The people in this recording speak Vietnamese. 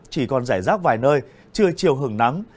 chỉ còn rải rác vài nơi chưa chiều hưởng nắng